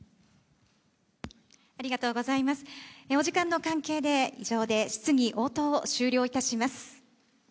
お時間の関係で、以上で質疑応答を終了いたします。